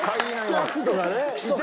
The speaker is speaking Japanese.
スタッフとかねいて。